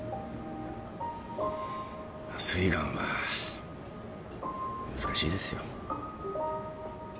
すいがんは難しいですよ。